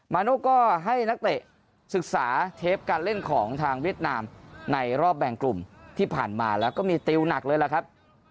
โน่ก็ให้นักเตะศึกษาเทปการเล่นของทางเวียดนามในรอบแบ่งกลุ่มที่ผ่านมาแล้วก็มีติวหนักเลยล่ะครับ